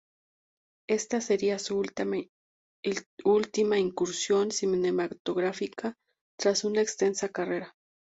Esta sería su última incursión cinematográfica, tras una extensa carrera.